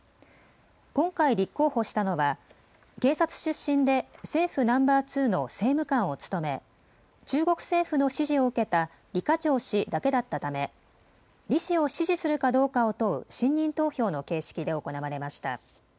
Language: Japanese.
今回、立候補したのは警察出身で政府ナンバー２の政務官を務め中国政府の支持を受けた李家超氏だけだったため李氏を支持するかどうかを問う信任投票の形式で行われました。